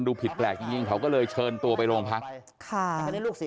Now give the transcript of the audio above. ติดแปลกจริงเขาก็เลยเชิญตัวไปโรงพักษ์